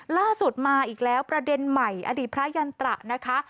ล่าสุดมาอีกแล้วประเด็นใหม่อดีตพระยันตระนะคะ